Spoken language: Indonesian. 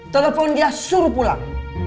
telepon dia suruh pulang